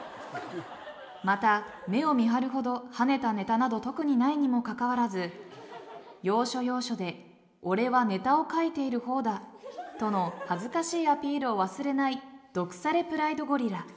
また目を見張るほどはねたネタなど特にないにもかかわらず要所要所で「俺はネタを書いている方だ」との恥ずかしいアピールを忘れないど腐れプライドゴリラ。